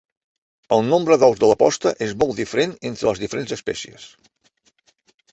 El nombre d'ous de la posta és molt diferent entre les diferents espècies.